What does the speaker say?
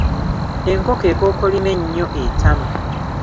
Enkoko ekookolima ennyo etama.